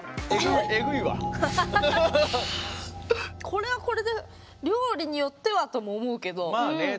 これはこれで料理によってはとも思うけど。